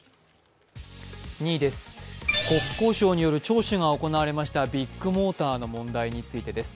２位です、国交省による聴取が行われたビッグモーターの問題についてです。